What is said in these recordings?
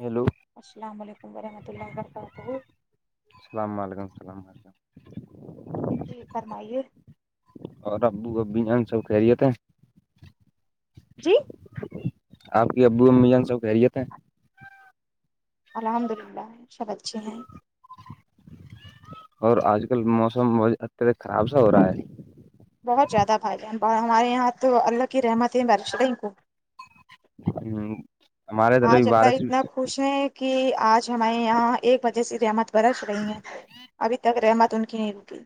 hello السلام علیکم ورحمۃ اللہ و برکاتہ السلام علیکم السلام علیکم جی فرمائیے اور ابو اب ہم سب کہہرییے تھ ہیں جی آپ کی ابو امیان سب خیریت ہیں الحمد للہ سب اچھے ہیں اور آج کل موسم ب اتدک خراب سا ہو رہا ہے بہت زیادہ بھائی ج ہمارے یہاں تو اللہ کی رحمت ہے بارش کو [inaudible] ادھر بھی آج اللہ بارش اتنا خوش ہیں کہ آج ہمارے یہاں ایک بجے سے رحمت برس رہی ہیں ابھی تک رحمت ان کی نہیں رکی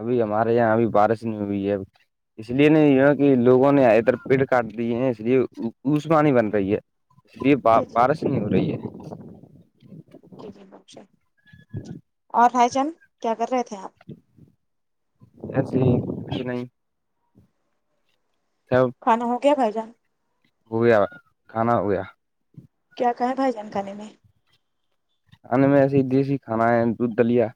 ابھی ہمارے یہاں ابھی بارش نہیں ہوئی ہے اب اس لیے نہیں کہ لووں نے ا اتر پیڑ کاٹ دیے ہیں اس لیے عسمانی بن رہی ہے سری جی جی پارس نہیں ہو رہی ہے ج جی اور بھائی چند کیا کر رہے تھے آپ اسی کھ نہیںائ سؤ کھا ہو کیا کھ جانا ہویا کھانا ہویا کیا کہا ہے بھائی جانکانے میں انے میں ایسے ہی دیسی کھانا ہے دودھ دلیا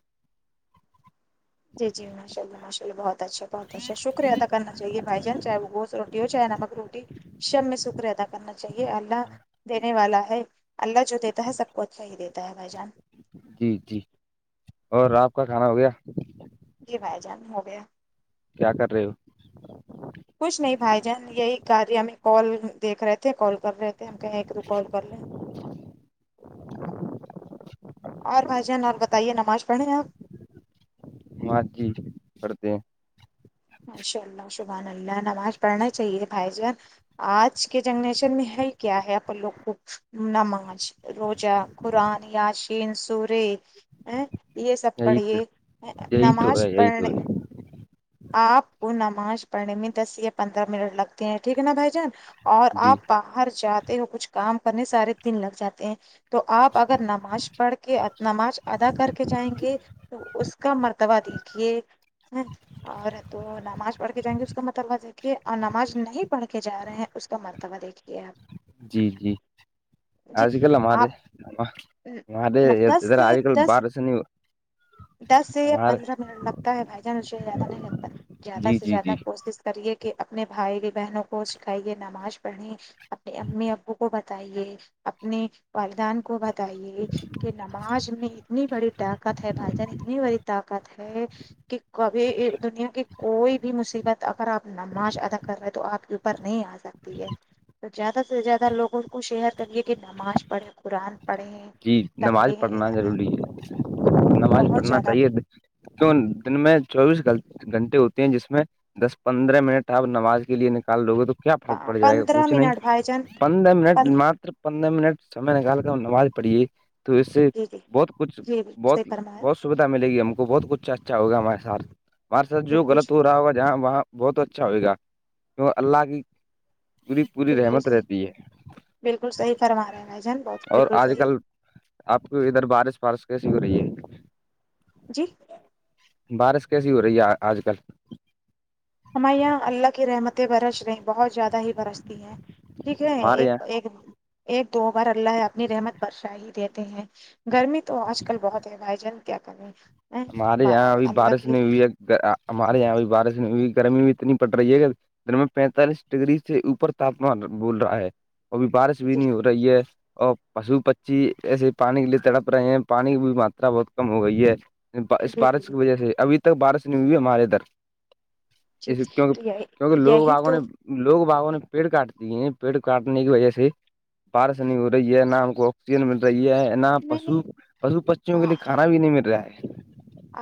جی جی ماشء اللہ ماشاءلہ بہت اچھا بہت اچھا شکہ ادا کرنا چاہے بائی جان چاہے وہ گز روٹی ہواہے نمک روٹی شب میں شکر ادا کرنا چاہیے اللہ دینے والا ہے اللہ جو دیتا ہے سب کو اچھا ہی دیتا ہے بھائی جان جی جی اور آپ کا کھانا ہو گیا جی بھائی جان ہو گیا کیا کر رہے ہو کچھ نہیں بھائی جان یہی کاریہ ہمیں کال دیکھ رہے تھے کال کر رہے تھے ہم کہ ایک تو کال کر ل اور بھائی جان اور بتائیے نماز پڑھیں آپ مگی کرتے ہیں ماشاء اللہ شبحان اللہ نماز پڑھنا چاہیے بھائی جان آج کے جنریشن میں ہے کیا ہے اپ لوگ کو نماز روجہ قرآن یاسین سورے ا یہ سب یہی تو پڑھیے یہی تو ہے نماز یہی تو پڑھنے ہے آپ کو نماز پڑھنے میں دس یا پندرہ منٹ لگتے ہیں ٹھیک ہے نا بھائی جان اور جی آپ باہر جاتے ہو کچھ کام کرنے سارے دن لگ جاتے ہیں تو آپ اگر ن نماز پڑھ کے نماز ادا کر کے جائیں گے تو اس کا مرتبہ دیکھیے اور تو نماز پڑھ کے جائیں گے اس کا مطلبہ دیکھیے اور نماز نہیں پڑھ کے جا رہے ہیں اس کا مرتبہ تبا دیکھیے آپ جی جی جی آج کل ہمارے آپ ہمارے دس اھرا سے آج کل دس بہار س نہیں دس سے یا ہمارے پندرہ منٹ لگتا ہے بھائی جان اسے زیادہ نہیں لگتا زیادہ جی سے جی زیادہ جی کوس کریے کہ اپنے بھائی بہنوں کو سکھائیے نماز پڑھیں اپنی امی ابو کو ب بتائیے اپنے والدان کو ب بتائیے کہ نماز میں اتنی بڑی طاقت ہے بھائی جان اتنی بڑی طاقت ہے کہ کبھی دنیا کے کوئی بھی مصیبت اگر آپ نماز ادا کر رہے ہیں تو آپ کے اوپر نہیں آ سکتی ہے زیادہ سے زیادہ لوگوں کو شیئر کریے کہ نماز پڑھیں قرآن پڑھیں جی نماز تعلیم پڑھنا ضروری ہے نماز بہت پڑھنا زیادہ چاہیے تو دن میں چوبیس گھنٹے ہوتے ہیں جس میں دس پندرہ منٹ ہے آپ نماز کے لیے نکال لو گے تو کیا فرق پڑ جائے گا پندرہ کچھ نہیں منٹ بھائی جان پندرہ منٹ م پندرہ منٹ سمے نکال کر نماز پڑی تو اس سے جی جی بہت کچھ جی بالکل صحیح بہت فرمایا بہت سویدھا ملے گی ہم کو بہت کچھ اچھا ہوگا ہمارےاتھ ہمارے سات جو بالکل لط ہو رہا ہوگ جہاں بہت اچھا ہوئے گا کی اللہ کی پوری پوری بالکل رحمت صحیح رہتی ہے بالکل صحی فرما رہے ہیں بائی جان بہت اور بالکل آج صحیح کل آپ کو ادھر بارش وارش کیسی ہو رہی ہے جی بارش کیسی ہو رہی ہے آج کل ہمارے یہاں اللہ کی رحمتیں برش رہی ہیں بہت زیادہ ہی برستی ہیں ٹھیک ہے ہمارے یہاں ایک ایک ایک دو بار اللہ اپنی رحمت برشاہ ہی دیتے ہیں گرمی تو آج کل بہت ہے بھائی جان کیا کر رہے ہیں ہمارے یہاں ابھی بارش نہیں ہوئی ہے ہمارے یہاں ابھی بارش نہیں ہوئی گرمی بھی اتنی پڑ رہی ہے گ در میں پینتالیس ڈگری سے اوپر تاپمان بول رہا ہے ابھی بارش بھی جی نہیں ہو رہی ہے اور پشو پچھی ایسے پانی کے لیے تڑپ رہے ہیں پانی کی بھی ماترا بہت کم ہو گئی ہے اس جی جی بارش جی کی وجہ سے ابھی تک بارش نہیں ہوئی ہمارے ادھر جی اس کیک تو کیونکہ یہی لوگ یہی باگوں تو نے لوگ بابوں نے پیڑ کاٹتی ہیں پیڑ کاٹنے کی وجہ سے بارش نہیں ہو رہی ہے نہ ہم کو آکسیجن مل رہی ہے ا نہیں پشو نہیں پشو پچیوں کے لیے کھانا بھی نہیں مل رہا ہے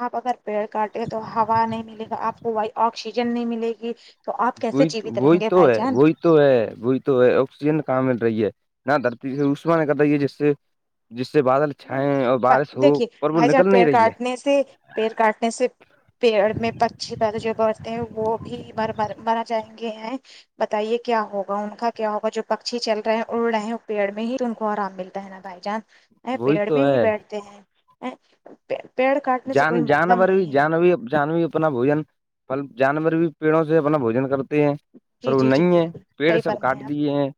آپ اگر پیڑ کاٹیں گے تو ہوا نہیں ملے گا آپ کو وہ آکسیجن نہیں ملے گی تو آپ کیسے وہی جیوت رہیں وہی گے تو بھائی ہے جان وہی تو ہے بئی تو ہے آکسیجن کہاں مل رہی ہے نہ دھرتی سے عشما کرتا یہ جس سے جس سے بادل نہیں چھائیں اور بارش نہیں ہو دیکھیے پر وہ بھائی جان نکل نہیں پیڑ رہی ہے کاٹنے سے پیڑ کاٹنے سے پیڑ میں پچھی پید جو بڑھتے ہیں وہ بھی مر م مرا جائیں گے ہیں بتائیے کیا ہوگا ان کا کیا ہوگا جو پکشی چل رہے ہیں اڑ رہے ہیں پیڑ میں ہی ان کو آرام ملتا ہے نا بائی چانس ا وہی پیڑ تو میں ہی ہے بیٹھتے ہیں ا جان جانور ج جان اپنا بوجن مطل جانور بھی پیڑوں سے اپنا بوجن کرتے ہیں پر جی وہ جی جی نہیں ہے بالکل پیڑ صحیح سب کاٹ فرمایا آپ دیے ہیں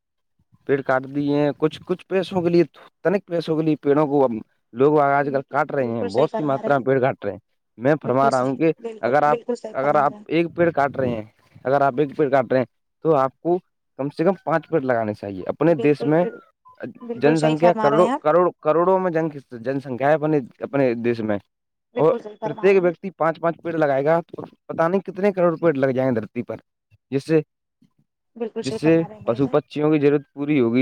پیڑ کاٹ دی ہیں کچھ کچھ پیسوں کے لیے تنک پیسوں کے لیے پیڑوں کو اب لوگ آج کل کاٹ رہے ہیں بالکل صحیح بہت فرما رہے ہیں ماتا میں پیٹ گھٹ رہے ہیں میں فرما بالکل رہا ہوں صحیح کہ بالکل ا آپ بالکل صحیح اگر فرما آپ رہے ہیں ایک ایک پیڑ کاٹ رہے ہیں اگر آپ ایک پیٹ کاٹ رہے ہیں تو آپ کو کم سے کم پانچ پیٹ لگانے چاہیے اپنے دیش بالکل میں بال- بالکل صحیح جنسنکھیا فرما رہے کروڑ ہیں آپ کروڑ کروڑوں میں جن سنکھیا ہے اپنے اپنے دیش میں اور بالکل صحیح فرما رہے پرتیک ہیں ویکتی پانچ پانچ پیڑ لگائے گا تو پتا نہیں کتنے کروڑ پیڑ لگ جائ گے دھرتی پر جس سے بالکل جس صحیح سے فرما رہے ہیں بھائی پشو پ جان پچیوں کی ضرورت پوری ہوگ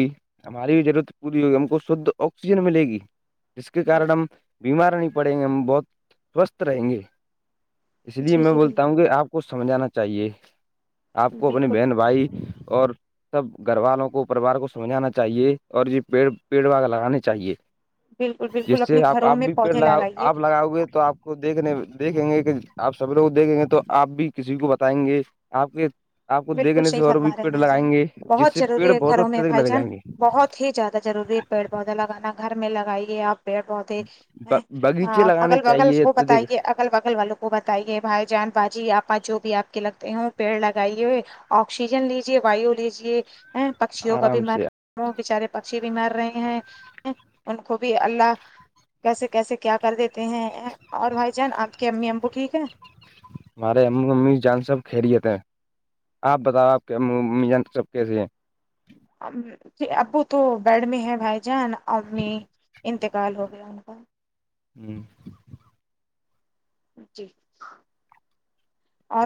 ہماری بھی ضرورت پوری ہوگی ہم کو شھ آکسیجن ملے گی جس کے کارن بالکل ہم بیمار نہیں پڑیں گے ہم بہت سوستھ رہیں گے اس لیے جی میں جی بالکل بولتا ہوں کہ آپ کو سمجھانا چاہیے آپ کو اپنی بالکل بہن بھائی اور سب گھر والوں کو پرریوار کو سمجھانا چاہیے اور یہ پیڑ پیڑ باگ لگانے چاہیے بالکل بالکل اپنے گھروں میں پودے لگائیے ہوئے تو آپ کو دیکھنے دیکھیں گے کہ آپ سب لوگ دیکھیں گے تو آپ بھی کسی کو بتائیں گے آپ یہ بالکل صحیح فرما رہے ہیں بھائی جان جس بہت سے پیڑ ضروری ہے بہت گھروں میں اتدک بھائی لگ جان جائیں گے بہت ہی زیادہ ضروری ہے پیڑ پودا لگانا گھر میں لگائیے آپ پڑ بہت ہی باغیچے لگانے اگل بگل اس چاہیے کو تو دیکھ بتائیے اگل بغل والوں کو بتائیے بھائی جان باجی آپ کا جو بھی آپ کے لگتے ہیں پیڑ لگائیے آکسیجن لیجیے وایو لیجیے پکھیوں کا بھی آرام مر سے من بچارے پکشی بھی مر رہے ہیں ان کو بھی اللہ کیسے کیسے کیا کر دیتے ہیں اور بھائی جان آپ کی امی امبو ٹھیک ہے ہمارے امی امی جان سب خھیریےت ہیں آپ بتاؤ آپ کے ا امی جان سب کیسی ہیں ج ابو تو بیڈ میں ہے بھائی جان امی انتقال ہو گیا ان کا ہوں [unintelligible] جی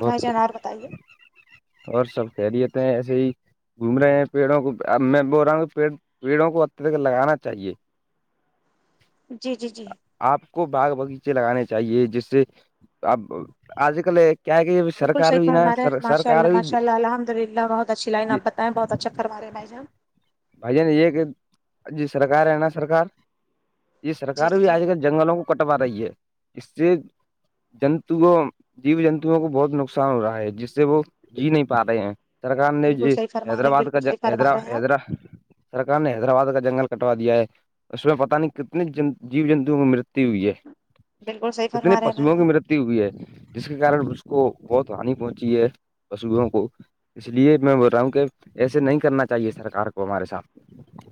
اور بھائی جان بتائیے اور سب خیریت ہیں ایسے ہی گھوم رہے ہیں پیڑوں کو اب میں بول رہا ہوں کہ پیڑ پیڑوں کو ا تک لگانا چاہیے جی جی جی آپ کو باغ باغیچے لگانے چاہیے جس سے اب آج کل کیا ہے کہ سرکار بالکلحی بھی فر نا ہمارے ماء ال سرکار بھی ماشء اللہ الحد للہ بہ اچھی لائن آ یہ بتائیں بہت اچھا کرو رہے ہیں بائی جان بھائی جان یہ کہ ج سرکار ہے ن سرکار یہ سرک جی جی بھی جی آج کل جنگلوں کو کٹوا رہی ہے اس سے جنتو جیو جنتوؤں کو بہت نقصان ہو رہا ہے جس سے وہ جی نہیں پا رہے ہیں سرکار نے بالکل صحیح فرما رہے ہیں حیدرآباد کا بالکل صحیح فرما حیدرا رہے ہیں آپ حیدرا سرک نے حیدرآباد کا جنگل کٹوا دیا ہے اس میں پتا نہیں کتنے جی جنتوؤ کی مرت ہوئی ہے بالکل صحیح کتنے فرما رہے ہیں بھائی پشوؤں کی جان مرت ہوئی ہے جس کے کار اس کو بہت ہانی پہنچی ہے پشوں کو اس لیے میں بول رہا ہوں کہ ایسے نہیں کرنا چاہیے سرکار کو ہمارے ساتھ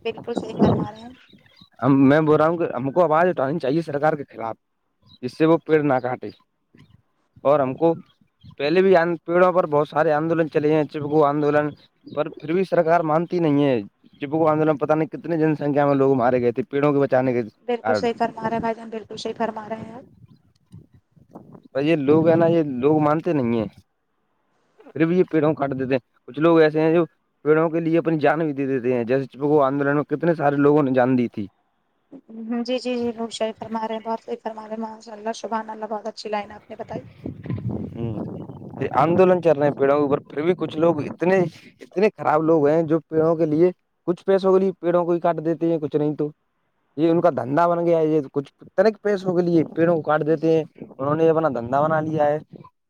بالکل صح کرما رہے ہیں ہم میں بول رہا ہوں کہ ہم کو آواز اٹھانی چاہیے سرکار کے خلاف ج سے وہ پیڑ نہ کاٹے اور ہم کو پہلے بھی پیڑوں پر بہت سارے آندولن چلےئے ہیں جب وہ آندولن پر پھر بھی سرکار مانتی نہیں ہے پو کو آنددولن پت نہیں کت جنکھیا میں لگ مارے گئے تھے پیڑوں کو بچانے کے بالکل کارن صحی فرا رہے بھائی جان بالکلحی فرا رہے آپ ب یہ لوگ ہے نا یہ لوگ مانتے نہیں ہیں پھر بھی یہ پیڑوں کاٹ دیتے ہیں کچھ لو ایسے ہیں جو پیڑوں کے لیے اپنی جان بھی دے دیتے ہیں جیسے آندولن میں کتنے سارے لگوں نے جان دی تھی جی جی جی وہوب شاہی فرماے ہیں بہت صی فرماے ماشاء اللہ شبحان اللہ بہت اچھی لائن آپ نے بتائی یہ آندولن چل رہے پیڑا او پر پھر بھی کچھ لوگ اتنے اتنے خراب لوگ ہیں جو پیڑوں کے لیے کچھ پیسوں کے لیے پیڑوں کو ہی کاٹ دیتے ہیں کچھ نہیں تو یہ ان کا دھندا بن گیا ہے یہ کچھ تنک پیش ہوگ یہ پھروں کاٹ جی جی دیتے ہیں انہوں نے اپنا دندا بنا لیا ہے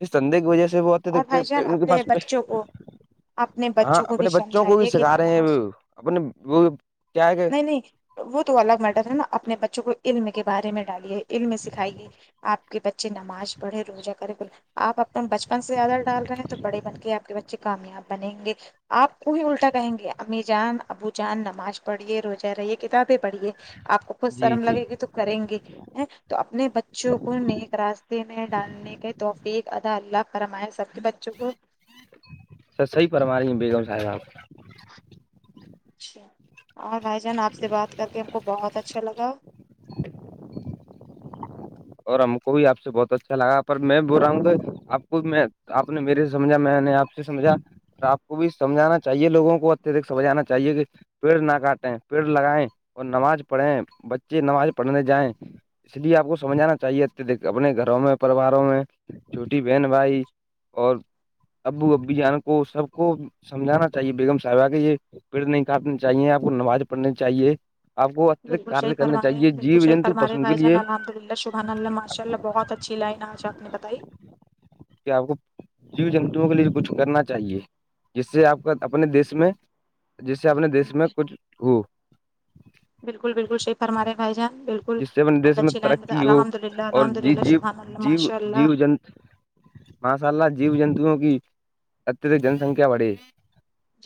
اس دھندے کی وجہ سے وہ تھ اور بھائی جان ان کے اپنے پاس پ بچوں کو اپنے ہاں بچوں کو بھی اپنے بچوں کو بھی سمجھائیے کہ سکھا رہے ہیں نماز اپنے وہ کیا ہے کہ نہیں نہیں وہ تو الگ میٹر ہے نا اپنے بچوں کو علم کے بارے میں ڈالیے علم سکھائیے آپ کے بچے نماز پڑھے روزہ کرے بول آپ اپنا بچ پن سے زیادہ ڈال رہے ہیں تو بڑے بن کے آپ کے بچے کامیاب بنیں گے آپ کو ہی الٹا کہیں گے امی جان ابو جان نماز پڑھیے روزہ رہیے کتابیں پڑھیے آپ کو کچھ جی شرم جی لگے گی تو کریں گے ہیں تو اپنے بچوں کو نیک راستے میں ڈالنے کے توفق ادا اللہ اور ہمے سب کے بچوں کو سر صحی پرم رہ ہیں بیگم صاحباں [inaudible] اچھا اور بھائی جان آپ سے بات کر کے ہم کو بہت اچھا لگا اور ہم کو بھی آپ سے بہت اچھا لگا پر میں بول رہا ہوں تو آپ کو میں آپ نے میرے سمجھا میں نے سمجھا اور آ کو بھی سمجھانا چاہیے لووں کو اتک سمجھانا چاہیے کہ [inaudible] پیڑ نہ کاٹیں پیڑ لگائیں اور نماز پڑھیں بچے نماز پڑھنے جائیں اس لیے آپ کو سمجھانا چاہیے ا د اپنے گھروں میں پریواروں میں چھوٹی بہن بھائی اور ابو ابی جان کو سب کو سمجھانا چاہیے بیگم صاحب کے یہ پڑ نہیں کاٹنی چاہیے آپ کو نماز پڑھنی چاہیے آپ کو اتدک بالکل صحیح کاریہ کرنا چاہیے جیو جنتو پشوؤ کے لیے [inaudible] دلہ شبان اللہ ماشاء اللہ بہت اچھی لائن آج آپ نے بتائی کیا آپ کو جیو جنتوؤ کے لیے کچھ کرنا چاہیے جس سے آپ کو اپنے دیش میں جس سے اپنے دیش میں کچھ ہو بالکل بالکلحی فرارے بھائی جان بالکل جس سے اپنے دیش بہت میں اچھی لائن بتا ترقی ہو الحمد للہ اور الحمد ج للہ شبحان اللہ جی ماشاء جی اللہ جن [inaudible] ماشء اللہ جیو جنتوؤں کی اتدک جن سنکھیا بڑے [inaudible]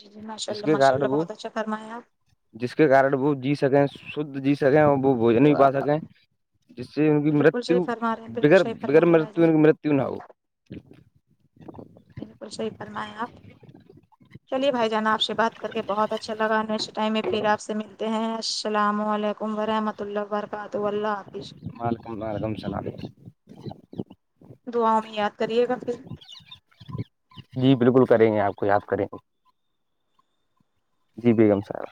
جی جی ماشء اللہ ماشء اللہ بہت اھا فرا ہے آپ [unintelligible] جس کے کارن وہ جی سکیں شھ جی سکیں اور وہ آپ بھوجن ہی [inaudible] سکیں جس سے ان کی بالکل مرتو صحیح فرما رہے ہیں ب بالکل صحیح فرما بغیر رہے ہیں بھائی مرتو جان ان کی [inaudible] مرت نہ ہو [inaudible] بالکل صحیح فرمائیں آپ چلیے بھائی جانا آپ سے بات کر کے بہت اچھا لگا نیکسٹ ٹائم میں پھر آپ سے ملتے ہیں السلام علیکم ورحمۃہ اللہ و برکاتہ اللہ حا مع ر ن رقم چل ہے [inaudible] دعاؤ میں یاد کریے گا پھر جی بالکل کریں گے آپ کو یاد کریں گے جی بیگم سرا